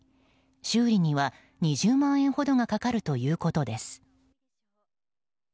修理には２０万円ほどがかかるということです。